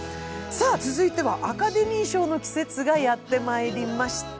続いてはアカデミー賞の季節がやってまいりました。